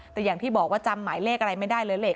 แต่อย่างที่บอกว่าจำหมายเลขอะไรไม่ได้เลยแหละ